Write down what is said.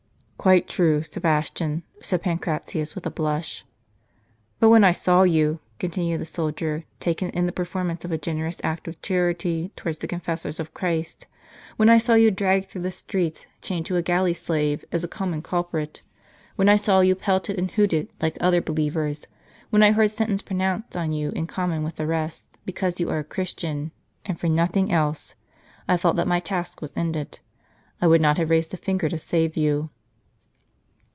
" Quite true, Sebastian," said Pancratius with a blush. "But when I saw you," continued the soldier, "taken in the performance of a generous act of charity towards the con fessors of Christ; when I saw you dragged through the streets, chained to a galley slave, as a common culprit ; when I saw you pelted and hooted, like other believers ; when I heard sentence pronounced on you in common with the rest, because you are a Christian, and for nothing else, I felt that my task was ended ; I would not have raised a finger to save you."